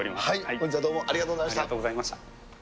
本日はどうもありがとうござありがとうございました。